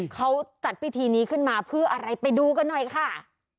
เขาจัดพิธีนี้ขึ้นมาเพื่ออะไรไปดูกันหน่อยค่ะ